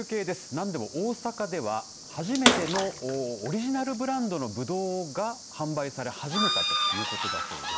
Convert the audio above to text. なんでも、大阪では初めてのオリジナルブランドのぶどうが販売され始めたということだそうです。